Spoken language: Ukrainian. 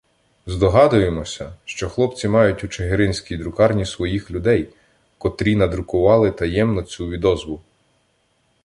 Здогадуємося, що хлопці мають у чигиринській друкарні своїх людей, котрі надрукували таємно цю відозву.